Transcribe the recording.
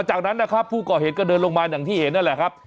จากนั้นนะครับผู้ก่อเหตุก็เดินลงมาอย่างที่เห็นนั่นแหละครับ